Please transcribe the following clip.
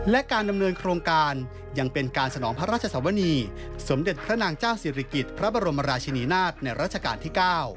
และการดำเนินโครงการยังเป็นการสนองพระราชสวนีสมเด็จพระนางเจ้าศิริกิจพระบรมราชินีนาฏในราชการที่๙